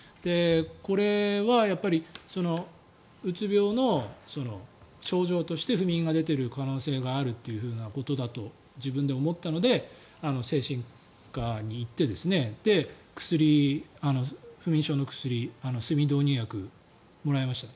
これはうつ病の症状として不眠が出ている可能性があることだと自分で思ったので精神科に行って、不眠症の薬睡眠導入薬をもらいました。